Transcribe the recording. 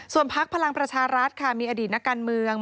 พักพลังประชารัฐค่ะมีอดีตนักการเมือง